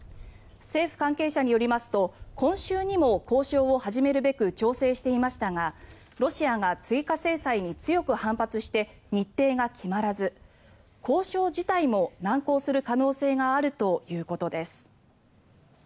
政府関係者によりますと今週にも交渉を始めるべく調整していましたがロシアが追加制裁に強く反発して日程が決まらず交渉自体も難航する可能性があるということです。